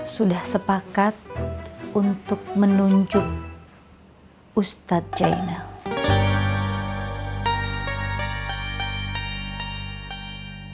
sudah sepakat untuk menunjuk ustadz jainal